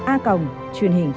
a còng truyền hình công an